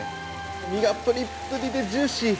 身がぷりっぷりでジューシー。